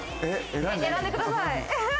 選んでください。